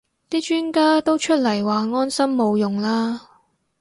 啲專家都出嚟話安心冇用啦